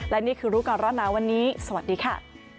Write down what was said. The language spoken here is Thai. และนี่คือรู้ก่อนร้อนหนาวันนี้สวัสดีค่ะ